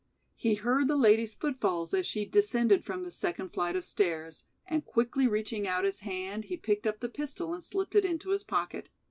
He heard the lady's footfalls as she descended from the second flight of stairs, and quickly reaching out his hand he picked up the pistol and slipped it into his pocket.